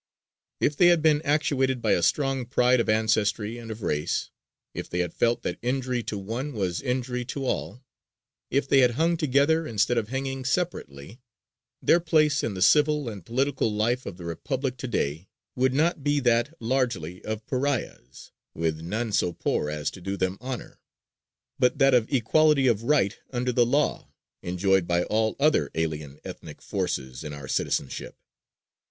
If they had been actuated by a strong pride of ancestry and of race, if they had felt that injury to one was injury to all, if they had hung together instead of hanging separately, their place in the civil and political life of the Republic to day would not be that, largely, of pariahs, with none so poor as to do them honor, but that of equality of right under the law enjoyed by all other alien ethnic forces in our citizenship.